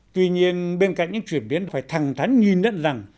tuy nhiên bên cạnh những chuyển biến phải thẳng thắn nhìn nhận rằng